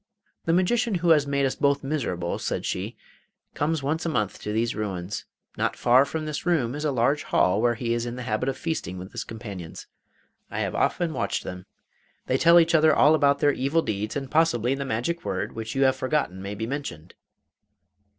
'The Magician who has made us both miserable,' said she, 'comes once a month to these ruins. Not far from this room is a large hall where he is in the habit of feasting with his companions. I have often watched them. They tell each other all about their evil deeds, and possibly the magic word which you have forgotten may be mentioned.